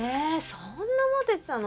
そんなモテてたの？